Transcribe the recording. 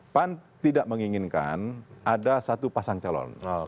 pan tidak menginginkan ada satu pasang calon